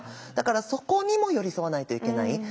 だからそこにも寄り添わないといけない。